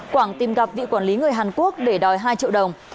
quảng tìm gặp vị quản lý người hàn quốc để đòi hai triệu đồng